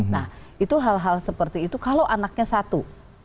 nah itu hal hal seperti itu kalau anaknya satu